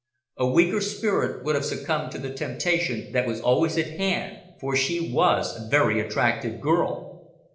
A weaker spirit would have succumbed to the temptation that was always at hand, for she was a very attractive girl.